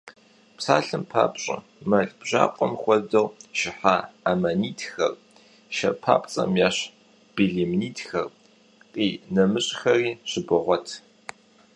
Псалъэм папщӀэ, мэл бжьакъуэм хуэдэу шыхьа аммонитхэр, шэ папцӀэм ещхь белемнитхэр, къинэмыщӀхэри щыбогъуэт.